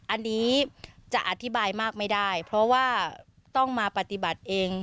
อันนี้จะอธิบายมากไม่ได้เพราะว่าต้องมาปฏิบัติเอง